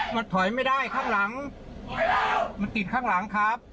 มันถอยไม่ได้ข้างหลังมันติดข้างหลังครับ